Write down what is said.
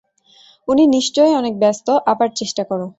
উনি নিশ্চয়ই অনেক ব্যস্ত, আবার চেষ্টা কর।